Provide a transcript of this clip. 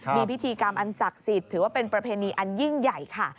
มีพิธีกรรมอันศักดิ์สิทธิ์ถือว่าเป็นประเพณีอันยิ่งใหญ่ค่ะ